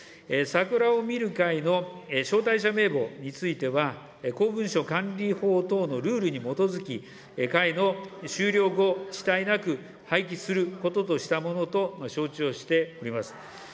桜を見る会の招待者名簿については、公文書管理法等のルールに基づき、会の終了後、遅滞なく廃棄することとしたものと承知をしております。